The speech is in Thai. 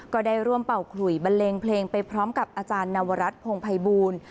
ก็ได้ร่วมเป่าขลุยบันเลงเพลงไปพร้อมกับอาจารย์นวรัฐพงภัยบูล